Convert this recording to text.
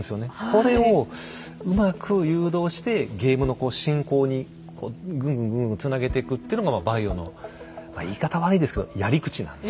これをうまく誘導してゲームの進行にこうぐんぐんぐんぐんつなげていくっていうのがまあ「バイオ」の言い方悪いですけどやり口なんで。